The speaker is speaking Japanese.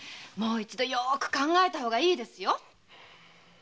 もう一度よく考えた方がいいですよ。